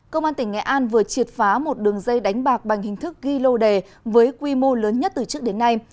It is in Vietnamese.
công an tỉnh nghệ an vừa triệt phá một đường dây đánh bạc bằng hình thức ghi lô đề với quy mô lớn nhất từ trước đến nay